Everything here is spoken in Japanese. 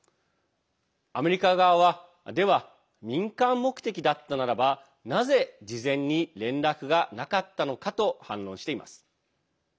アメリカ側はでは民間目的だったならばなぜ事前に連絡がなかったのかと反論しています。